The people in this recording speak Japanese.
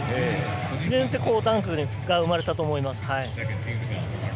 それによってダンクが生まれたと思います。